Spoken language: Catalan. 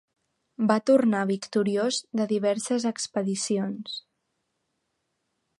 Va tornar victoriós de diverses expedicions.